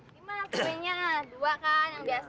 gimana cumannya dua kan yang biasa